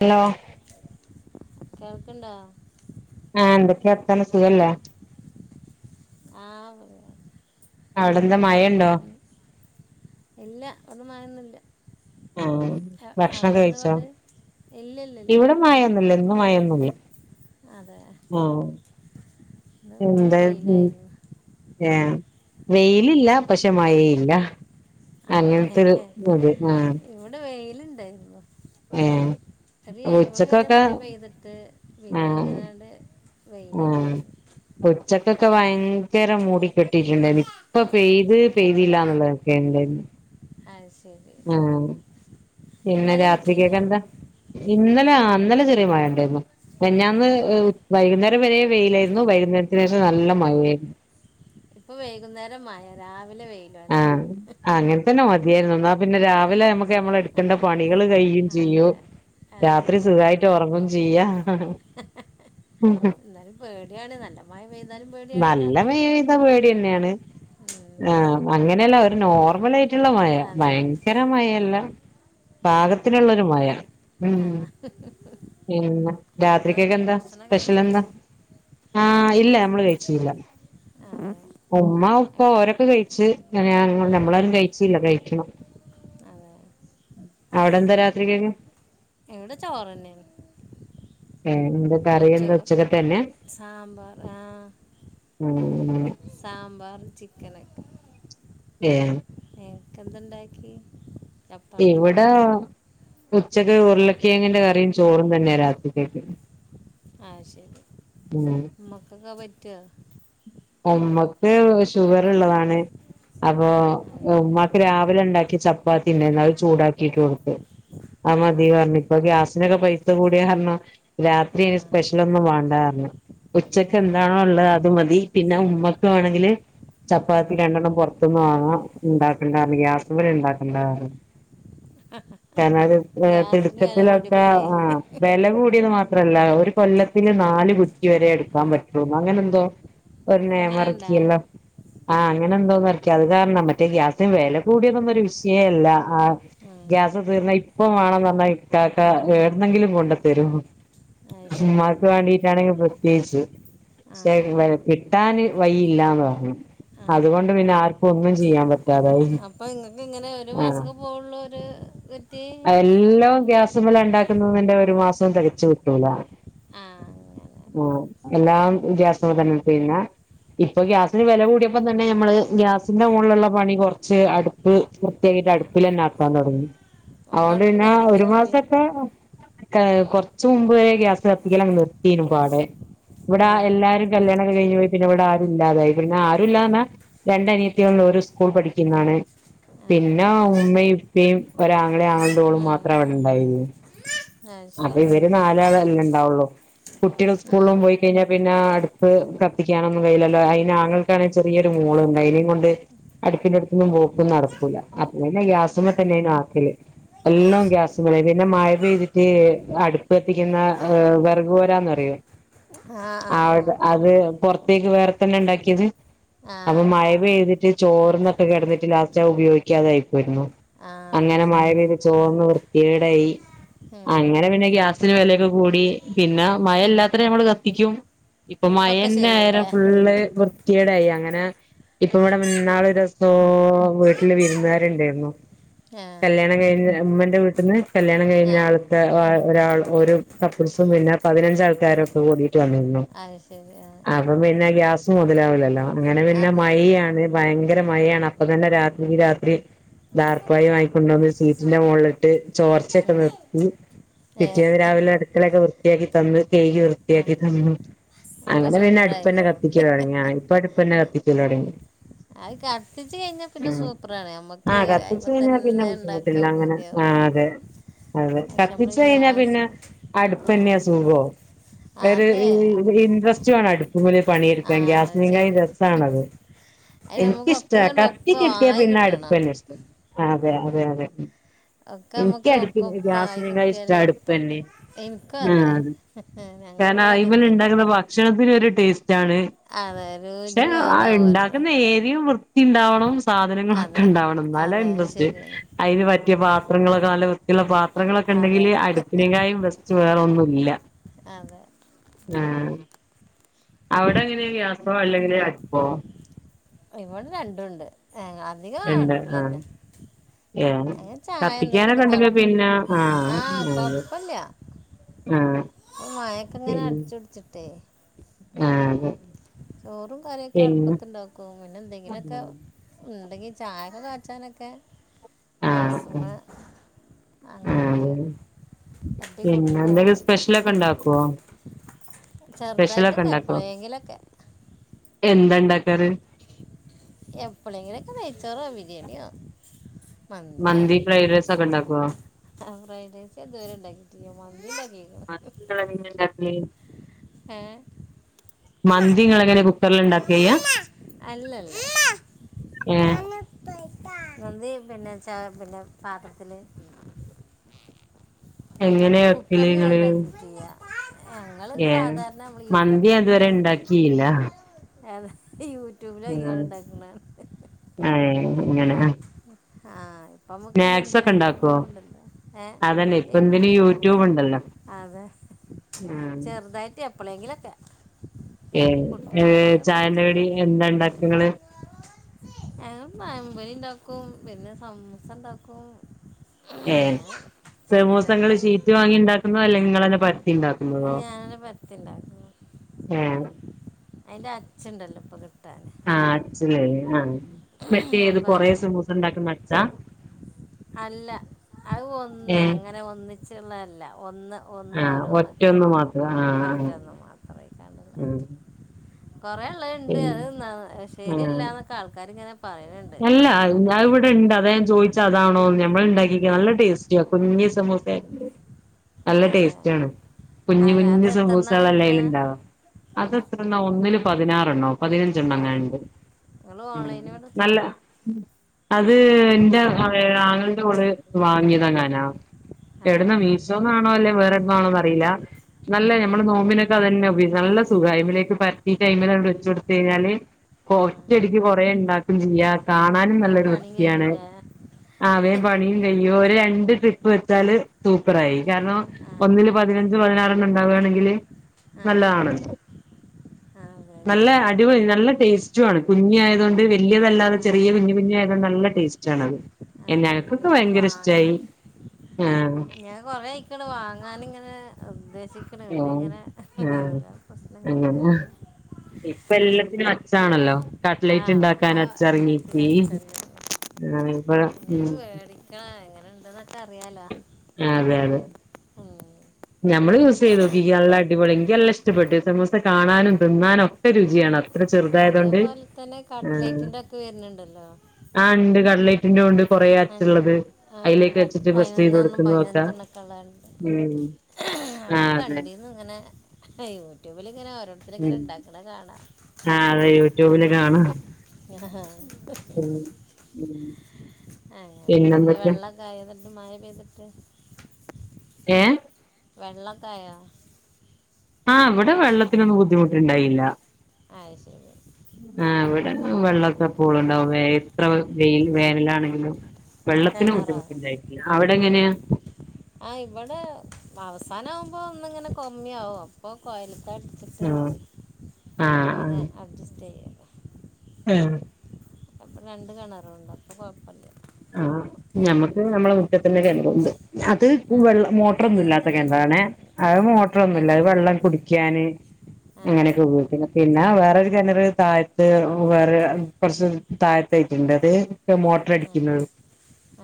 Hello കേൾക്ക്ണ്ടോ ആഹ് ഇണ്ട് എന്തൊക്കെ വർത്താനം സുഖല്ലേ ആഹ് അവിടെന്താ മയണ്ടോ ഇല്ല ഒന്നു മയന്നുല്ല ആ അ ഭക്ഷണൊക്കെ അവിടെ എന്ത കഴിച്ചോ പാട് ഇല്ല ല്ല ല്ല ഇവിടെ ഇന്ന് മയൊന്നില്ല ഇന്നും മയന്നില്ല അതെ ഇന്ന് ഫുള്ള് എന്താ ഉം വെയിലായിരുന്നു ഏ വെയിലില്ല പക്ഷെ മയയില്ല അങ്ങനെ ഹെ ആ ഇവിടെ വെയിലുണ്ടായിന്നു ഏഹ് ഒരു ഏഴ് മണി വരെ മഴ പെയ്തിട്ട് ആ പിന്നെ അങ്ങനണ്ട് ആ വെയിലന്നായിരുന്നു ഉച്ചക്കൊക്കെ ഭയങ്കര മൂടിക്കെട്ടിയിട്ടുണ്ടായിനു ഇപ്പൊ പെയ്ത് പെയ്തി ല്ലാന്നുള്ള തൊക്കെ ആഹ് ശരി പിന്നെ ഇന്നല കിട്ടീലേ രാത്രിക്കൊക്കെ എന്താ ഇന്നലെ അ ഇന്നലെ ചെറ്യാ മഴ ണ്ടായിരുന്നു ആ മിന്നാന്ന് വൈകുന്നേരം വരെ വെയിലായിരുന്നു വൈകുന്നേരത്തിനേഷം നല്ല മഴയായിരുന്നു ഇപ്പൊ വൈകുന്നേരം മഴ രാവിലെ വെയിൽ ആഹ് അങ്ങനെ തന്നെ മതിയായിരുന്നു എന്നാ പിന്നെ രാവിലെ നമ്മുക്ക് നമ്മള എടുക്കേണ്ട പണികൾ കഴിയും ചെയ്യും അതെ അത് രാത്രി ശരിയാണ് സുഖായിട്ട് ഒറങ്ങും ചെയ്യാ ഇന്നാലും പേടിയാണ് നല്ല മഴ പെയു താലും പേടിയാണ് രാത്രി ത്ത പേടിയന്നേന് ഉം, ആ ഉം. അങ്ങനല്ല ഒരു നോർമലായി റ്റുള്ള മയ അതെ അത് ഭയങ്കര ശരിയാണ് ആ മയല്ല പാകത്തിലുള്ളൊരു മയ ഉം ആ ആ പിന്നെ എന്താ എന്നിട്ട് രാത്രിക്കക്കെന്താ ഭക്ഷണം കഴിച്ചാ സ്പെഷ്യലെന്താ ആഹ് ഇല്ല നമ്മള് കഴിച്ചില്ല ആഹ് ഉമ്മ ഉപ്പ ഓരൊക്കെ കഴിച്ചു അതെ നമ്മളാരും കഴിച്ചില്ല കഴിക്കണം അതെ അവിടെ എന്താ രാത്രിക്കെക്ക് എവിടെ ചോറ് ഏ എന്തൊ കറി എന്തുവാ ചോറ് ഉച്ചക്കെത്തെ തന്നെ സാമ്പാർ ആ സാമ്പാർ ചിക്കന് ഏയെ നിക്കെ എന്ത് ഉണ്ടാക്കി ഇവിടെ ഉച്ചക്ക് ഉരുളക്കിഴങ്ങിന്റെ കറിയും ചോറും തന്നെയാ രാത്രിക്കേക്ക് ആഹ് ശരി ഉം മക്കക്കൊക്കെ പറ്റുമോ ഉമ്മക്ക് ഷുഗർ ഉള്ളതാണ് അപ്പൊ ഉമ്മാക്ക് രാവിലെ ഇണ്ടാക്കിയ ചപ്പാത്തി ഇണ്ടായിന്നു അത് ചൂടാക്കിട്ട് കൊടുത്ത് ആത് ആ മതിന്ന് പറഞ് ശരി ഇപ്പ ഗ്യാസ്- നെക്കെ പൈസ കൂടിയ കാരണം രാത്രി ആ ഇനി സ്പെഷ്യൽ ഒന്നും വണ്ടാന്ന്ർന്നു ഉച്ചക്ക് ശരി ആ ആ എന്താണോ ഉള്ളത് അത് മതി പിന്നെ ഉമ്മക്ക് വേണെങ്കില്- ചപ്പാത്തി ഉം. രണ്ടെണ്ണം പൊറത്തുന്ന് വാങ്ങാം ഇണ്ടാക്കണ്ടാന്ന് ഗ്യാസ്മ്മേലെ ഇണ്ടാക്കണ്ട പറഞ്ഞു ആ, ചെലരൊക്കെ ഗ്യാസിന് വില തിടുക്കത്തിലൊക്കെ കൂടിയപ്പോളേ ആ വില കൂടിയത് മാ- ത്രല്ല ഒരു കൊല്ലത്തില് നാല് കുറ്റിവരെ എടുക്കാൻ പറ്റു അങ്ങനെ എന്തോ- ഒരു അങ്ങനെ ഉണ്ടാ നെയമറക്കില്ലോ ആ അങ്ങനെന്തോന്ന് ഇറക്കി അത് കാരണം മറ്റേ ഗ്യാസിന് വെല കൂടിയതൊന്നും ഒരു വിഷയേല്ല ആഹ് ഉം. ഗ്യാസ് തീർന്ന ഇപ്പം വേണം എന്ന് പറഞ്ഞാൽ ഇക്കാക്ക എവിടുന്ന് എങ്കിലും കൊണ്ടുത്തരും അത് ശരി ഉമ്മാക്ക് വേണ്ടീട്ടാണെങ്കിൽ പ്രത്യേകിച്ച് ആ [unintelligible] കിട്ടാന് വഴയില്ലാന്ന് പറഞ്ഞു ആ അതുകൊണ്ട് പിന്നെ ആർക്കും ഒന്നും ചെയ്യാൻ പറ്റി- അപ്പൊ ഇങ്ങക്ക് ഇങ്ങനെ ഒരു മാസൊക്കെ പോവുള്ളൂ ഒരു കുറ്റി- എല്ലോം ഗ്യാസും മേലാ ഇണ്ടാക്കുന്നേന്നുണ്ടെ ഒരു മാസം തികച്ചു കിട്ടൂല ആഹ് ഓ എല്ലാം ഗ്യാസ്സുമ്മെ തന്നെ ചെയ്യുന്നെ ഇപ്പൊ ഗ്യാസിന് വെല കൂടിയപ്പ തന്നെ നമ്മള് ഗ്യാസിന്റെ മുകളിലുള്ള പണി കുറച്ച് അടു- പ്പ് വൃത്തിയാക്കി ആ അടുപ്പില് തന്നെ ആക്കാൻ തൊടങ്ങി അപ്പം അതുകൊണ്ട് അടുപ്പ് പിന്നെ ഒരു കത്തിക്കലില്ലേ മാസൊക്കെ ഏ കൊറച്ച് മുമ്പ് വരെ ഗ്യാസ് കത്തിക്കല് അങ്ങ് നിർ- തീരും പാടെ ആ ഇവിടെ എല്ലാരും- കല്യാണൊക്കെ കഴിഞ്ഞ് പോയി പിന്നെ ഇവിടെ ആരുല്ലാതായി പിന്നെ ആരു ഇല്ലാന്നാ- രണ്ട് അനിയത്തികളിൽ ഒരു സ്കൂൾ പഠിക്കുന്നതാണെ ആ പിന്നെ ഉമ്മയും ഇപ്പയും ഒര് ആങ്ങളെ ആങ്ങളുടെ ഓളും മാത്രം അവിടെ ഉണ്ടാവുള്ളൂ ആഹ് അതെ ഇവര് നാലാളെല്ലേ ഉണ്ടാവുള്ളു കുട്ടികൾ ഉം. സ്കൂളിലും പോയി കഴിഞ്ഞാൽ പിന്നെ അടുപ്പ് കത്തിക്കാനൊന്നും കഴിയില്ലല്ലോ അതിന് ആങ്ങൾക്ക്‌ ആണെങ്കി ചെറിയൊരു മോളുണ്ട് അതിനേയും കൊണ്ട്- അടുപ്പിന്റെ അടുത്തൊന്നും പോക്ക്‌ ഒന്നും നടക്കൂല അപ്പ പിന്നെ ആ ആ ഗ്യാസ്സുമ്മെ തന്നെ ആക്കല് ആ എല്ലാം ശരി ഗ്യാസുമ്മേല് പിന്നെ മഴ പെയ്തി- അടുപ്പ് എത്തിക്കുന്ന വെറക് പോരാ എന്ന് പറയും ആ ആ ആവി അത് പൊറത്തേക്ക് വേറെ തന്നെ ഉണ്ടാക്കിയത് ആ അപ്പൊ ആ മഴ പെയ്തിട്ട് ചോർന്നൊക്കെ കെടന്നിട്ട് ലാസ്റ്റ് അത് ഉപയോഗിക്കാതെ ആയിപ്പോയിരുന്നു ആ അത് അങ്ങനെ മഴ പെയ്ത് ചോന്ന് വൃത്തികേടായി മ് [unintelligible] അങ്ങനെ പിന്നെ ഗ്യാസിന് വെലയൊക്കെ കൂടി പിന്നെ മഴ ഉം. ഇല്ലാത്തരം നമ്മള് കത്തിക്കും ഇപ്പൊ മഴ ഇപ്പൊക്കെ തന്നെ ആയേരം ശരിയായില്ലേ ഫുള്ള് വൃത്തികേടായി അങ്ങനെ ഇപ്പ ഇവിടെ ഇന്നാള് ഒരു ദെവ - വീട്ടില് വിരുന്നുകാരുണ്ടായിരുന്നു ആ കല്യാണം കഴിഞ്ഞ് ഇമ്മന്റെ വീട്ടിന്ന് കല്യാണം ആ കഴിഞ്ഞാള് ഒരാൾ ഒരു കപ്പിൾസും പിന്നെ പതിഞ്ചാൾക്കാരൊക്കെ കൂടിട്ട് വന്നിരുന്നു അത് ശരി ആ ആ അപ്പൊ പിന്നെ ഗ്യാസ് മുതലാവില്ലല്ലോ അങ്ങനെ പിന്നെ അതെ മഴയാണ് ഭയങ്കര ആ ഉം. മഴയാണ് അപ്പോ അപ്പൊ തന്നെ രാത്രിക്ക് രാത്രി ദാർപ്പായി വാങ്ങിക്കൊണ്ടോന്ന് സീറ്റിന്റെ മോള്ള് ഇട്ട് ചോർച്ചൊക്കെ നിർത്തി ഏ പിറ്റേന്ന് രാവിലേ അടുക്കളൊക്കെ വൃത്തിയാക്കി തന്ന് കഴുകി ആ വൃത്തിയാക്കി തന്നു ഇപ്പം അങ്ങനെ പിന്നെ സൂപ്പറായി അടുപ്പന്നെ കത്തിക്കല് തുടങ്ങി ഞാനിപ്പ അടുപ്പന്നെ കത്തിക്കല് തുടങ്ങി അത് കത്തിച്ച് കഴിഞ്ഞാ പിന്നെ സൂപ്പറാണ് നമ്മക്ക് അയിമ തന്നെ വല്ല്യ ബുദ്ധിമുട്ടില്ല ഉണ്ടാക്കാൻ അങ്ങനെ ആ പൂതിയാവും അതെ അതെ പക്ഷെ നമ്മൾ കത്തിച്ച് കഴിഞ്ഞാ പിന്നെ ഗ്യാസ് അടുപ്പന്നെയാ സുഖോ ആ ഒരു അതെ ഇ ഇ ഇൻട്രസ്റ്റ് വേണം അടുപ്പുമ്മല് ആ പണിയെടുക്കാൻ ഗ്യാസിനെങ്കായി ശരി രസാണത് അതിന് നമുക്ക് ഒക്കെ എനിക്കിഷ്ട കണ്ട് കത്തി കിട്ടയ ഒപ്പമായി പിന്നെ കിട്ടണം അടുപ്പന്നെ ഇഷ്ടം അ അതെ അതെ അതെ ഒക്കെ എനിക്ക് നമക്ക് ഒ അടുപ്പി കൊപ്പായി ഗ്യാസിനേക്കായും ഇഷ്ടം കിട്ടിയാല് എളുപ്പണ്ട് അടുപ്പന്നെ എനിക്കും അതെ ഞങ്ങൾ കാരണം ഇവിടെ അയ്മല് അങ്ങൻതന്നെ ഇണ്ടാക്കുന്ന ഭക്ഷണത്തിന് ഒരു ടേസ്റ്റാണ് അതെ പക്ഷെ രുചി ആ വേറെ ആവുമല്ലോ ഉണ്ടാക്കുന്ന ഏരിയും വൃ വൃത്തിണ്ടാവണം അതെ സാധനങ്ങളൊക്കെണ്ടാവണം എന്നാലാ അതെ അത് ഇൻട്രസ്റ്റ് ശരിയാണ് അതിന് പറ്റിയ പാത്രങ്ങളൊക്കെ നല്ല വൃ വൃത്തിയുള്ള പാത്രങ്ങളൊക്കെ അതെ ഉണ്ടെങ്കില് അടുക്കിനേക്കായും ബെ സ്റ്റ് വേറൊന്നുല്ല അതെ ആഹ് അവിടെങ്ങനെ ഗ്യാസോ അല്ലെങ്കിൽ അടുപ്പോ ഇവിടെ രണ്ടും ഉണ്ട് ഏ അധികം അടുപ്പിലന്നെ ഏ കത്തിക്കാനൊക്കെ ഉണ്ടെങ്കിൽ പിന്നെ ആഹ് അത ഇല്ല ഇപ്പം മഴക്കങ്ങന അടിച്ച് പിടിച്ചിട്ടേ ആഹ് അതെ ചോറും കറിയൊക്കെ അടുപ്പത്ത്‌ ഇണ്ടാക്കും പിന്നെ എന്തെങ്കിലുമൊക്കെ എന്തെങ്കിലും ചായക്കെ കാച്ചാനൊക്കെ ആഹ് അതെ പിന്നെ ആഹ് ആഹ് ഗ്യാസ്മ്മേ ആഹ് അങ്ങനൊക്കെ പിന്നെ എന്തെങ്കിലും സ്പെഷ്യലൊക്കെ ഉണ്ടാക്കൊ ചെറുതായിട്ടൊക്കെ എപ്പളെങ്കിലൊക്കെ എന്ത ഉണ്ടാക്കാറ് എപ്പളേങ്ങങ്കിലും ഒക്കെ നെയ്ചോറോ ബരിയാണിയോ മന്തി ഫ്രൈഡ്റെയ്‌സ് ഒക്കേ ഉണ്ടാകോ ആ ഫ്രൈഡേസ് ഞാനിതുവരെ ഉണ്ടാക്കിട്ട്ല്ലാ മന്തിണ്ടാക്കീക്ക്ണ് നിങ്ങൾ എങ്ങനെണ്ടാക്കി ഏ മന്തിങ്ങളെങ്ങനെ കു കുക്കറിൽ ഇണ്ടാക്കെയ്യ അല്ലല്ലാ ഏ മ്മാ നാനു മന്തീപിന്നെ ച പിന്നെ പാത്രത്തില് [inaudible] എങ്ങനെ വെക്കല് നിങ്ങള് ചെയ ഞങ്ങൾ ഏ സാധാരണ നമ്മൾ മന്തി ഞാൻ ഇതുവരെ ഉണ്ടാക്കിയില്ല ഏ ത് യൂട്യൂബിലോകികാണ്ട്ണ്ടാക്ക് ണാണ് ഏയ് ഇങ്ങനെ അ ആ യ് സ്നാക്സൊക്കെ ണ്ടാക്കോ? ഏ അതല്ലെ പ്പൊ ന്തിനും യൂട്യൂബ് ണ്ടല്ലോ അതെഹ് ഞാം എപ്പളേങ്കിലൊക്കെ ഏയ് ഏ ചായന്റ ടി എന്താ ണ്ടാക്കങ്ങള് ഞങ്ങൾ പയമ്പൊരി ണ്ടാക്കും പിന്നെ സമൂസ ണ്ടാക്കും ഏഹ് സമൂസങ്ങള് കടികൾ ഷീറ്റ് വാങ്ങി ണ്ടാക്കുന്നോ അല്ലങ്കി ങ്ങളന്നെ പരത്തി ണ്ടാക്കു? ഞാനന്നെ പരത്തിണ്ടാക്കും ഉം അയ്ൻ്റെ അച്ച്ണ്ടല്ലോ ഇപ്പ കിട്ടാന് ആഹ് അച്ച് ലെആഹ് മറ്റേ ഏത് അപ്പം കൊറെ അതേമ സമൂസ ഉണ്ടാക്കന്ന അച്ചാ അല്ല അഹ് ഒന്ന് ഏഹ് അങ്ങനെ ഒന്നിച്ചുള്ളല്ല ഒന്ന് ഒന്ന് ആഹ് ഓരോന്ന് ഒറ്റൊന്ന് മാത്രം ആഹ് ആഹ് പറ്റന്ന് മാത്രെ യ്കാണ്ട്ള്ള [inaudible] കൊറേള്ളഹ്ണ്ട് അത് ന്ന പിന്നെ ആഹ് ശെരിയല്ലാ ന്നൊക്കെ ആൾക്കാരിങ്ങനെ പറീണ് ണ്ട് അല്ല എന്താണ് ഞാൻ ഇവിടെ ഇണ്ട് അതാ ഞാൻ ചോയ്ച്ച അതാണോന്ന് ഞമ്മള ഉണ്ടാക്കീക്ക് നല്ല അതെ ടേയ് സ്റ്റാ കുഞ്ഞി സമൂസായ് നല്ല അതെ ടേസ്റ്റാ ണ് കുഞ് അല്ല അത് കുഞ്ഞ് എത്രണ്ണാണ് കിട്ടുക സമ്മൂസാളെല്ലെഅയില് ണ്ടാവാ അതെത്രെണ്ണാ ഒന്നില് പതിനാറണ്ണോ പതിന ഞ്ചണ്ണങ്ങാ പതിന് ണ്ട് നിങ്ങൾ ഓൺലൈനിൽ വിളിച്ച നല്ല അത് ന്റെ ഏ ആങ്ങൾൻറോള് വാങ്ങിതങ്ങാനാ അതെ ഏടുന്നാ മീശോന്നാണോ അല്ലേ വേറെ ന്നാണോന്നറിയില്ല നല്ല ആ നമ്മള് നോമ്പിനൊക്കെ അതന്നെ ഉപയോച്ച് നല്ല സുഖായമിലേക്ക് പരത്തീട്ട് അയിമലട്ട് ച്ചൊട് ത്തയിഞ്ഞാല് ഉം. ഒറ്റടിക്ക് കുറേ ണ്ടാക്കും ചെയ്യാ കാണാനും വേഗം നല്ലൊരു പണി വൃത്തിയാണ് കഴിയൂലേ ആ വേം പണിയും കഴിയും ഒരു രണ്ട് ട്രിപ്പ് വെച്ചാല് തൂപ്പറായി കാരണം ആ ഒന്നില് പതിനഞ്ച് പതിനാറെണ്ണം ഉണ്ടാവാണെങ്കില് ആ നല്ലതാണല്ലോ ആ അത് നല്ല ശരിയാണ് അടിപൊളി നല്ല ടേസ്റ്റു ആണ് കുഞ്ഞി ആയതുകൊണ്ട് വല്യ തല്ലാതെ ആ ചെറിയ ആ കുഞ്ഞു കുഞ് ആയതോണ്ട് നല്ല ടേസ്റ്റ് റ്റാണത് എ അതെ ഇനി ഞങ്ങക്കൊക്കെ ഒന്ന് ഭയങ്കര ഇഷ്ടായി വാങ്ങണം ആഹ് ഞാൻ കൊറെയിക് ണ് വാങ്ങാനിങ്ങനെ ഉദ്ദേശിക്ക് - ഉം ഏ പ്രശ്നങ്ങൾ അങ്ങനെഹ് കാരണം ഇപ്പൊല്ലത്തിനും അച്ചാണല്ലോ ആ കട്ട്ലൈറ്റ് ണ്ടാക്കാന അപ്പോൾ എല്ലാത്തിനും ച്ചറങ്ങീക്കീ [inaudible] [unintelligible] ആഹ് എങ്ങനെ ണ്ട്ന്നൊക്ക റിയാലോ ആ അതെ യതെ ഞമ്മള് യൂസ് ചെയ്തു നോക്കി നല്ല അടിപൊളി ൻക്ക് നല്ല ഷ്ടപ്പെട്ട് സമൂസ കാണാനും തിന്നാനു ക്കെ രുചിയാണ അതേപോലെ തന്നെ കട്ലേറ്റിന്റെ ഒക്കെ വരുന്ന്ണ്ടല്ലോ ആ ഇണ്ട് കട്ലൈററ് പിന്നോണ്ട് കുറേ അൻ- അച്ചുള്ളത് ആ, അയിലേക്ക് വെച്ചിട്ട് പ്രസ്സി യ്ത് കൊടുക്കുന്നൊക്കേ കളാണ്ട് ഉം ഒക്കെ ആഹ് അതെ കണ്ടീന്നു ഇങ്ങനെ യൂട്യൂബില് ഇങ്ങനെ ഓരോത്തര് ഇങ്ങനെ ഉം ഉണ്ടാക്കും ക്ക്ണ കാണാ [unintelligible] ആഹ് അതെ യൂട്യൂബില് കാണാം കാണാം അങ്ങനൊക്കെ എന്താ പിന്നെന്തൊക്കെ വെള്ളക്കെ ആയതിട്ട് മഴ പെയ്തിട്ട്- ഏയെ വെള്ളൊക്കെ ആയോ ആഹ് ഇവിടെ വെള്ളത്തിനൊന്നും ബുദ്ധിമുട്ടുണ്ടായില്ല അത് ശരി ആ ഇവിടെ വെള്ളക്കെ- കുള ഉണ്ടാവുമ്പെ എത്ര വെയിൽ വേനലാണെങ്കിലും വെള്ളത്തിന് കിണറോ ബുദ്ധിമുട്ടു ഉണ്ടായിട്ടില്ല അവിടെ എങ്ങനെയാ- ആ ഇവിടെ അവസാനകുമ്പോൾ ഒന്നിങ്ങനെ കൊമ്മിയവും അപ്പോൾ കോയൽ കെണറ് - ആഹാ ആഹാ ആഹാ അഡ്ജസ്റ്റ് ചെയ്യും ഏ [unintelligible] അപ്പോ രണ്ട് കെണറുണ്ട് അപ്പോ കൊഴപ്പവില്ല ആഹാ നമ്മക്ക് നമ്മളെ മുറ്റത്ത് തന്നെ കെണറുണ്ട് അത് ആ വെള്ള ഇവിടെ മോട്ടറൊന്നും അങ്ങനെ ഇല്ലാത്ത തന്നെയാണ് കെണറാണെ മുറ്റത്ത് തന്നെ അത് ആ ഇവിടെ മോട്ടറൊന്നുമല്ല അത് അങ്ങനെ തന്നെ വെള്ളം കുടിക്കാന് അങ്ങനെയൊക്കെ ആ ഉപയോഗിക്ക്ന്ന് പിന്നെ വേറൊരു കെണറ് താഴത്ത് വേറെ കൊറച്ച് താഴത്തെക്ക്‌ ഉണ്ട് അത് മോട്ടർടി- ഇന്ന്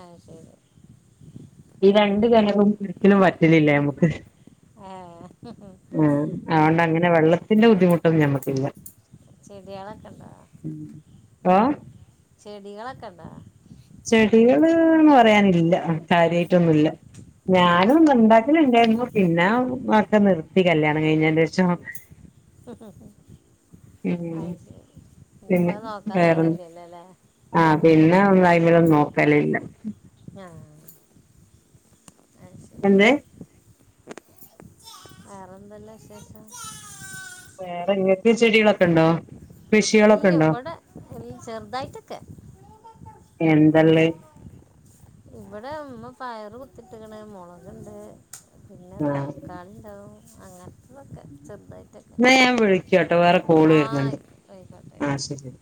ആഹ് ശരി ഈ ആ ആ. രണ്ട് കെണറും ഒരിക്കലുംവറ്റലില്ല നമുക്ക് ആഹ് ആഹ് അതൊണ്ട് അങ്ങനെ വെള്ളത്തിന്റെ ബുദ്ധിമുട്ടൊന്നും ഞമ്മക്ക്‌ ഇല്ല ചെടികളൊക്കെ ഉണ്ടോ ഹലോ ചെടികളൊക്കെയുണ്ടോ ചെടികളെന്ന് പറയാനില്ല ആ കാര്യായിട്ടൊന്നുല്ല അത് ഞാനും ഉണ്ടാക്കല ഉണ്ടായിരുന്നു പിന്നെ ഒക്കെ നിർത്തി കല്യാണം കഴിഞ്ഞേൻ്റെ ശേഷം [inaudible] അത് ഉം ശരി പിന്നെ ഇപ്പൊ അത് നോക്കാൻ നേരവില്ല അല്ലേ ആഹ് പിന്നെ ഒന്നാ [unintelligible] യ്മേല ഒന്നും നോക്കൽ ഇല്ല. ആഹ് ശരി എന്തേ വേറെ എന്തല്ലാം വിശേഷം? വേറെ ഇങ്ങൾക്ക് ചെടികളൊക്കെ ഉണ്ടോ? ഇല്ല കൃഷികളൊക്കെ ഉണ്ടോ ഇവിടെ ചെറുതായിട്ടൊക്കെ. എന്താ ഉള്ളെ ഇവിടെ ഉമ്മ പയറ് കുത്തിട്ടേക്കണ് മൊളകുണ്ട്. പിന്നെ ആ തക്കാളി ഉണ്ടാവും അങ്ങനെ. എന്നാ ഞാൻ വിളിക്കാ ട്ടോ വേറെ കോള് ആ വരുന്നുണ്ട് ആയിക്കോട്ടെ ആയിക്കോട്ടെ ആഹ് ആയിക്കോട്ടെ ശരി.